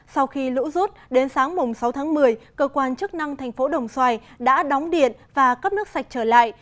sau khi lũ rút đến sáng sáu tháng một mươi cơ quan chức năng thành phố đồng xoài đã đóng điện và cấp nước sạch trở lại